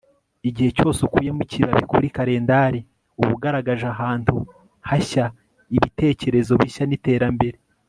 igihe cyose ukuyemo ikibabi kuri kalendari, uba ugaragaje ahantu hashya ibitekerezo bishya n'iterambere